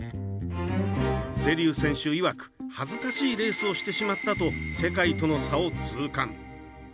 瀬立選手いわく、恥ずかしいレースをしてしまったと世界との差を痛感。